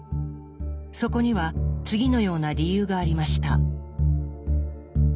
そこには次のような理由がありました。